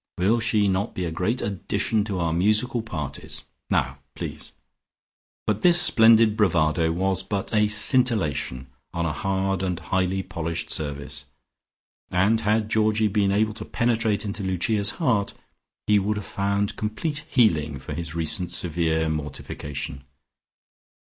Will she not be a great addition to our musical parties? Now, please." But this splendid bravado was but a scintillation, on a hard and highly polished surface, and had Georgie been able to penetrate into Lucia's heart he would have found complete healing for his recent severe mortification.